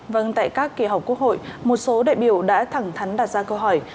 vâng tại các kỳ họp quốc hội một số đại biểu đã thẳng thắn đặt ra câu hỏi